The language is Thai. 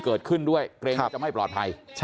เกิดขึ้นด้วยเกรงว่าจะไม่ปลอดภัย